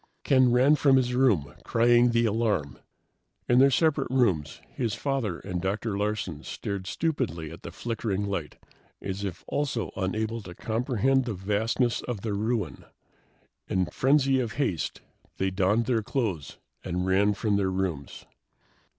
Ken ran from his room, crying the alarm. In their separate rooms, his father and Dr. Larsen stared stupidly at the flickering light as if also unable to comprehend the vastness of the ruin. In frenzy of haste, they donned their clothes and ran from their rooms.